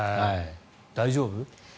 大丈夫？